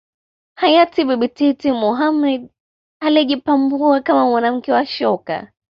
Hayati Bibi Titi Mohamed aliyejipambua kama mwanamke wa shoka